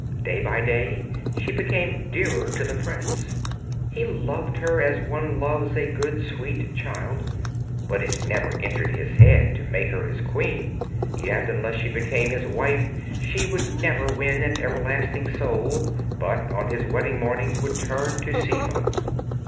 Day by day she became dearer to the prince; he loved her as one loves a good sweet child, but it never entered his head to make her his queen; yet unless she became his wife she would never win an everlasting soul, but on his wedding morning would turn to sea foam.